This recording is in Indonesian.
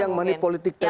yang moneypolitik tadi itu